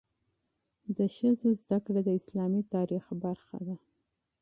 د ښځو تعلیم د اسلامي تاریخ برخه ده.